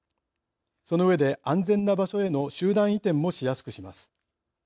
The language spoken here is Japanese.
その上で安全な場所への集団移転もしやすくします。